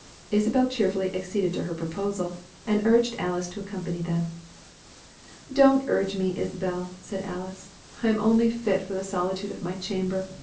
Isabel cheerfully acceded to her proposal, and urged Alice to accompany them. "Don't urge me, Isabel," said Alice; "I am only fit for the solitude of my chamber.